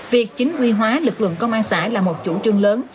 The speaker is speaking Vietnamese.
việc chính quy hóa lực lượng công an xã là một chủ trương lớn